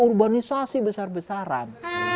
ada urbanisasi besar besaran